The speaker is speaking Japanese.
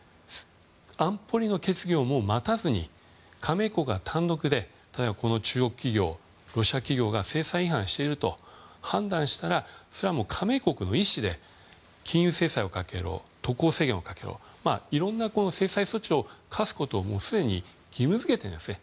安保理の決議を待たずに加盟国が単独で例えば、この中国企業やロシア企業が制裁違反していると判断したらそれは加盟国の意思で金融制裁をかけろ渡航制限をかけろといろんな制裁措置を科すことをもうすでに義務付けてるんですね。